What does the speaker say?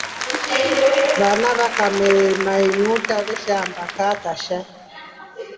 Vana vakame nuuta veshiamba kaakasha.